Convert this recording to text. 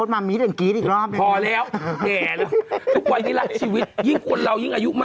มันเองมีคนตั้งโลกราคตรงอยู่